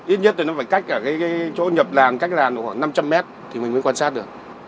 ít nhất là nó phải cách cả cái chỗ nhập làn cách làn khoảng năm trăm linh mét thì mình mới quan sát được